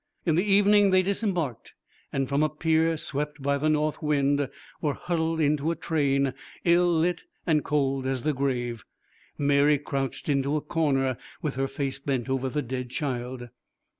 In the evening they disembarked, and from a pier swept by the north wind were huddled into a train, ill lit and cold as the grave. Mary crouched into a corner with her face bent over the dead child.